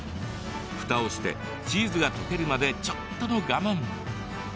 ふたをしてチーズが溶けるまでちょっとの我慢。